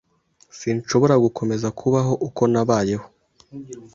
Sinshobora gukomeza kubaho uko nabayeho.